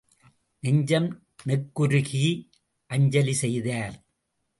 நெஞ்சம் நெக்குருகி அஞ்சலி செய்தார்.